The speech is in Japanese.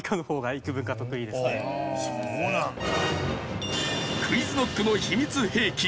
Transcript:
そうなんだ。